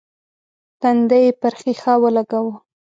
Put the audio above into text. تندی يې پر ښيښه ولګاوه.